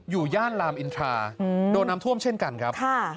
ย่านลามอินทราโดนน้ำท่วมเช่นกันครับ